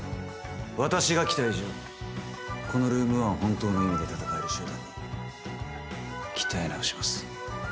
私が来た以上このルーム１を本当の意味で闘える集団に鍛え直します。